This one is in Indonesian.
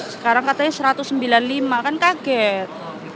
sekarang katanya satu ratus sembilan puluh lima kan kaget